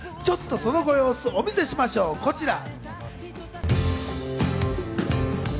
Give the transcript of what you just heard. そのご様子をお見せしましょう、こちら。